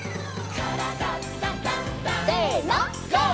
「からだダンダンダン」せのＧＯ！